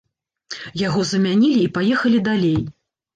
Яго замянілі і паехалі далей.